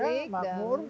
sudah tidak ada konflik